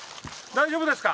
大丈夫ですか？